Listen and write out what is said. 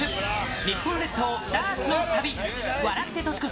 日本列島ダーツの旅、笑って年越し！